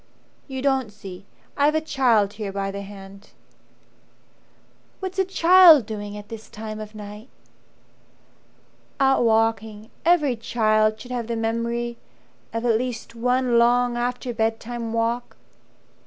"You don't see I've a child here by the hand." "What's a child doing at this time of night ?" "Out walking. Every child should have the memory Of at least one long after bedtime walk.